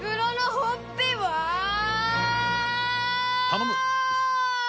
頼む！